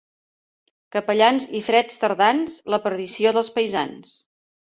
Capellans i freds tardans, la perdició dels paisans.